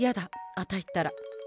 あたいったら。